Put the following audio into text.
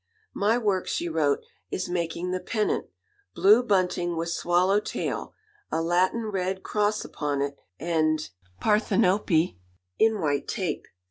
"My work," she wrote, "is making the pennant, blue bunting with swallow tail, a Latin red cross upon it, and [Greek: PARTHENOPÊ] in white tape.